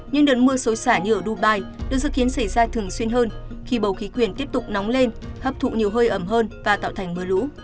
những đợt mưa sối xả như ở dubai được dự kiến xảy ra thường xuyên hơn khi bầu khí quyển tiếp tục nóng lên hấp thụ nhiều hơi ẩm hơn và tạo thành mưa lũ